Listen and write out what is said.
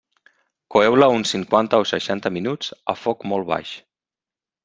Coeu-la uns cinquanta o seixanta minuts a foc molt baix.